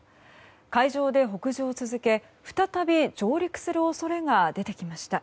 海上で北上を続け、再び上陸する恐れが出てきました。